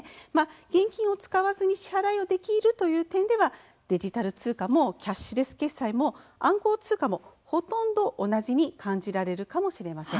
現金を使わずに支払いをできるという点ではデジタル通貨もキャッシュレス決済も暗号通貨もほとんど同じに感じられるかもしれません。